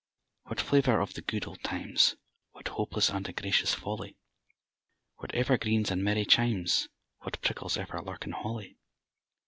_) What flavour of the good old times! (What hopeless and egregious folly!) What evergreens and merry chimes! (_What prickles ever lurk in holly!